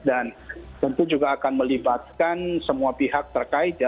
dan tentu juga akan melibatkan semua pihak terkait ya